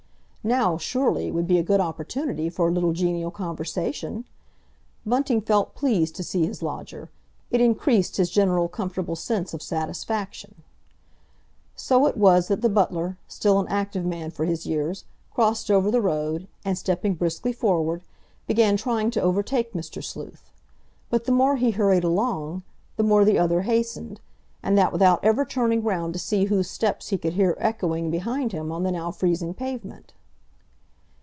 Now, surely, would be a good opportunity for a little genial conversation? Bunting felt pleased to see his lodger; it increased his general comfortable sense of satisfaction. So it was that the butler, still an active man for his years, crossed over the road, and, stepping briskly forward, began trying to overtake Mr. Sleuth. But the more he hurried along, the more the other hastened, and that without ever turning round to see whose steps he could hear echoing behind him on the now freezing pavement.